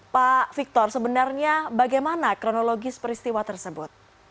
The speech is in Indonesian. pak victor sebenarnya bagaimana kronologis peristiwa tersebut